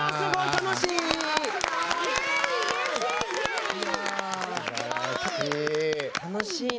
楽しいね。